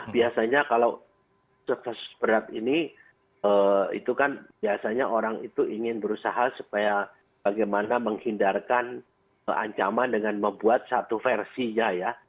biasanya kalau kasus berat ini itu kan biasanya orang itu ingin berusaha supaya bagaimana menghindarkan ancaman dengan membuat satu versinya ya